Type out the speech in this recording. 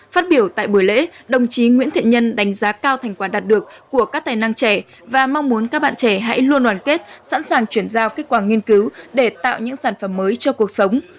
phát biểu tại buổi lễ đồng chí nguyễn thiện nhân đánh giá cao thành quả đạt được của các tài năng trẻ và mong muốn các bạn trẻ hãy luôn đoàn kết sẵn sàng chuyển giao kết quả nghiên cứu để tạo những sản phẩm mới cho cuộc sống